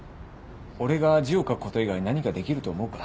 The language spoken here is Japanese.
俺が字を書くこと以外に何かできると思うか？